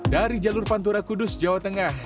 dari jalur pantura kudus jawa tengah